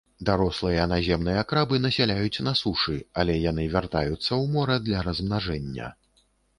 Дарослыя наземныя крабы насяляюць на сушы, але яны вяртаюцца ў мора для размнажэння.